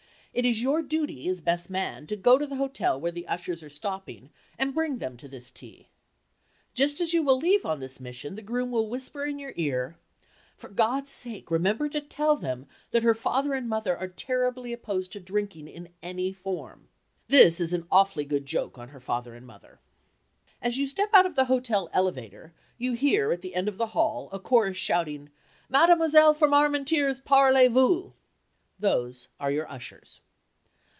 It is your duty, as best man, to go to the hotel where the ushers are stopping and bring them to this tea. Just as you will leave on this mission the groom will whisper in your ear, "For God's sake, remember to tell them that her father and mother are terribly opposed to drinking in any form." This is an awfully good joke on her father and mother. As you step out of the hotel elevator you hear at the end of the hall a chorus shouting, "Mademoiselle from Armentières—parlez vous!" Those are your ushers.